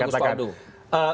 mungkin tadi bagus valdo